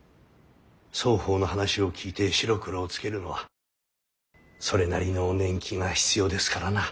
双方の話を聞いて白黒をつけるのはそれなりの年季が必要ですからな。